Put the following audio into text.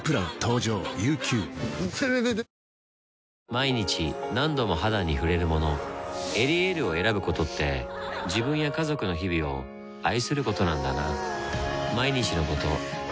毎日何度も肌に触れるもの「エリエール」を選ぶことって自分や家族の日々を愛することなんだなぁ